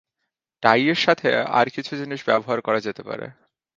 টাই এর সাথে আরও কিছু জিনিস ব্যবহার করা যেতে পারে।